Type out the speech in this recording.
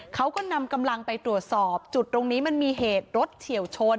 เขาก็นำกำลังไปตรวจสอบจุดตรงนี้มันมีเหตุรถเฉียวชน